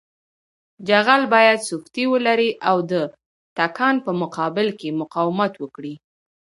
جغل باید سفتي ولري او د تکان په مقابل کې مقاومت وکړي